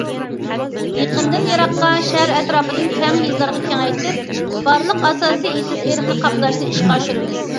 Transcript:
يېقىندىن يىراققا، شەھەر ئەتراپىدىن كەڭ يېزىلارغا كېڭەيتىپ، بارلىق ئاساسىي ئېتىز- ئېرىقنى قاپلاشنى ئىشقا ئاشۇرىمىز.